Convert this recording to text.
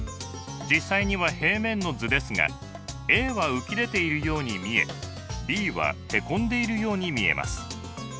実際には平面の図ですがＡは浮き出ているように見えＢはへこんでいるように見えます。